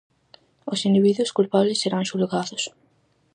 Os individuos culpables serán xulgados.